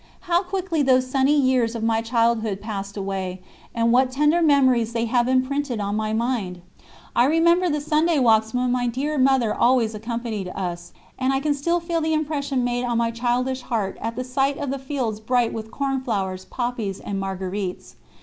How quickly those sunny years of my childhood passed away, and what tender memories they have imprinted on my mind! I remember the Sunday walks when my dear Mother always accompanied us; and I can still feel the impression made on my childish heart at the sight of the fields bright with cornflowers, poppies, and marguerites.